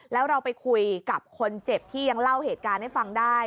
แล้วเราไปคุยกับคนเจ็บที่ยังเล่าเหตุการณ์ให้ฟังได้